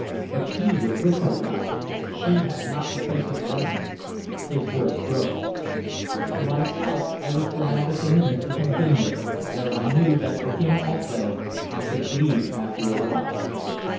But he was with her, Ralph; she had not to face it alone" His voice broke. For myself, I was glad that the minister had been there, though I knew that for him also I should grieve after a while.